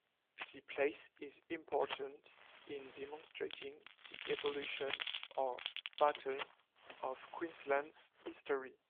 The place is important in demonstrating the evolution or pattern of Queensland's history.